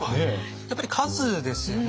やっぱり数ですよね。